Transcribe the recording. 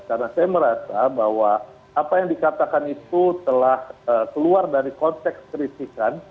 karena saya merasa bahwa apa yang dikatakan itu telah keluar dari konteks kritikan